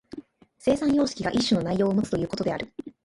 生産様式が一種の内容をもつということである。